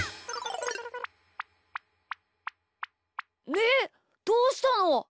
みーどうしたの？